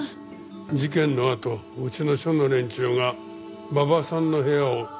事件のあとうちの署の連中が馬場さんの部屋を捜索しました。